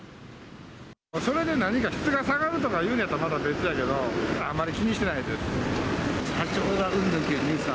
それで何か質が下がるとかいうのならまた別やけど、あんまり気にしてないです。